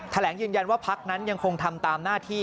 แถลงยืนยันว่าพักนั้นยังคงทำตามหน้าที่